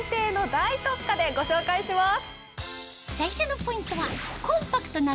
大特価でご紹介します。